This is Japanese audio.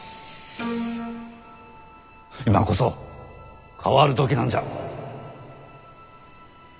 今こそ変わる時なんじゃ。